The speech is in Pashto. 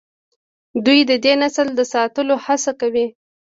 دوی د دې نسل د ساتلو هڅه کوي.